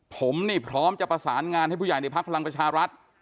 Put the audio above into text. ผมนี่พร้อมจะประสานงานให้ผู้ใหญ่ในพักพลังประชารัฐ